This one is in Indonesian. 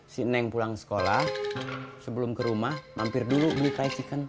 si neng pulang sekolah sebelum ke rumah mampir dulu beli fried chicken